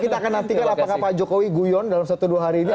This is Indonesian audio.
kita akan nantikan apakah pak jokowi guyon dalam satu dua hari ini